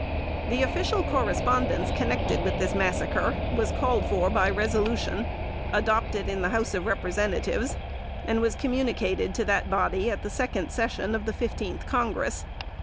The official correspondence connected with this massacre was called for by resolution, adopted in the House of Representatives, and was communicated to that body at the second session of the fifteenth Congress.